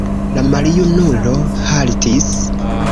La maljunulo haltis.